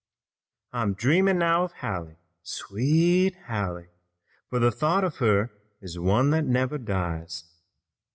"I'm dreaming now of Hallie, sweet Hallie, For the thought of her is one that never dies.